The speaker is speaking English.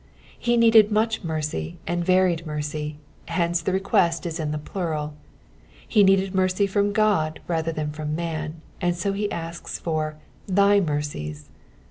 He needed much mercy and varied mercy, hence the request is in tne plural. He needed mercy from God rather than from man, ana so he asks for '* thy mercies."